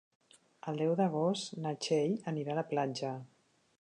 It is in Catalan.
El deu d'agost na Txell anirà a la platja.